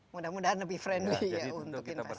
mudah mudahan lebih friendly ya untuk investasi